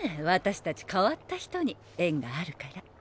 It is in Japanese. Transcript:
私たち変わった人に縁があるから。